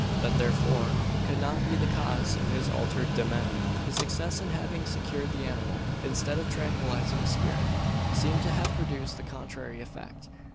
That therefore could not be the cause of his altered demeanour. His success in having secured the animal, instead of tranquillising his spirit, seemed to have produced the contrary effect.